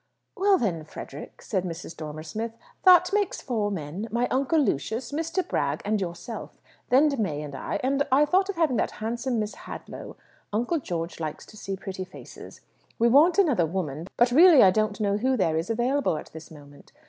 "Well, then, Frederick," said Mrs. Dormer Smith, "that makes four men: my uncle, Lucius, Mr. Bragg, and yourself. Then May and I; and I thought of having that handsome Miss Hadlow. Uncle George likes to see pretty faces. We want another woman, but really I don't know who there is available at this moment.